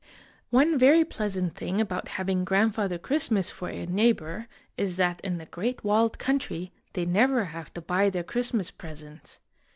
One very pleasant thing about having Grandfather Christmas for a neighbor is that in The Great Walled Country they never have to buy their Christmas presents.